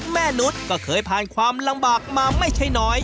มนุษย์ก็เคยผ่านความลำบากมาไม่ใช่น้อย